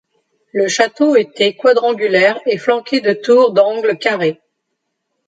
Le château était quadrangulaire et flanqué de tours d'angles carrées.